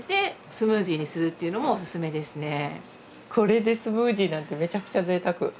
これでスムージーなんてめちゃくちゃぜいたく。